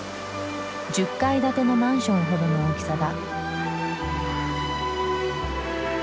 １０階建てのマンションほどの大きさだ。